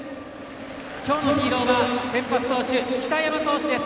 今日のヒーローは先発投手北山投手です。